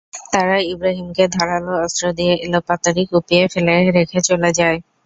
তারা ইব্রাহিমকে ধারালো অস্ত্র দিয়ে এলোপাতাড়ি কুপিয়ে ফেলে রেখে চলে যায়।